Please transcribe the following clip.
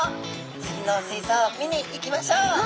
次の水槽を見に行きましょう。